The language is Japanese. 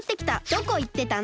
どこいってたの！？